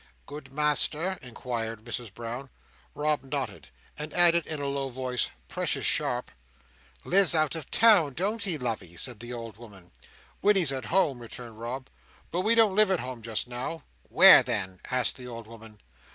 "Good master?" inquired Mrs Brown. Rob nodded; and added, in a low voice, "precious sharp." "Lives out of town, don't he, lovey?" said the old woman. "When he's at home," returned Rob; "but we don't live at home just now." "Where then?" asked the old woman.